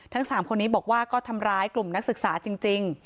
ทั้งสามคนนี้บอกว่าก็ทำร้ายกลุ่มนักศึกษาจริงจริง